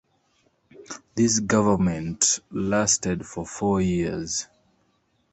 This government lasted for four years.